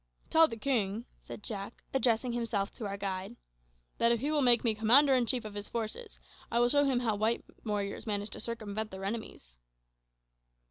"Tell the king," said Jack, addressing himself to our guide, "that if he will make me commander in chief of his forces, I will show him how white warriors manage to circumvent their enemies."